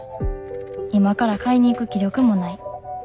今から買いに行く気力もない。